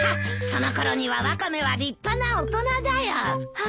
そのころにはワカメは立派な大人だよ。